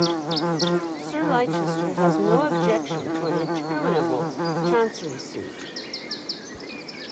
Sir Leicester has no objection to an interminable Chancery suit.